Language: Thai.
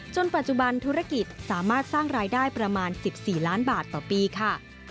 ปัจจุบันธุรกิจสามารถสร้างรายได้ประมาณ๑๔ล้านบาทต่อปีค่ะ